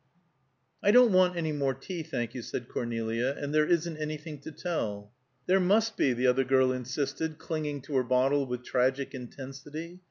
XIV. "I don't want any more tea, thank you," said Cornelia, "and there isn't anything to tell." "There must be!" the other girl insisted, clinging to her bottle with tragic intensity.